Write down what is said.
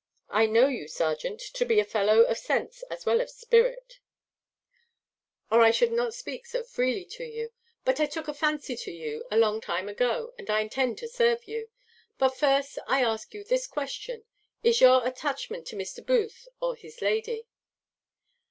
I know you, serjeant, to be a fellow of sense as well as spirit, or I should not speak so freely to you; but I took a fancy to you a long time ago, and I intend to serve you; but first, I ask you this question Is your attachment to Mr. Booth or his lady?"